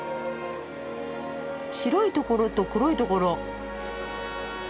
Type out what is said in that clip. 白いところと黒いところ。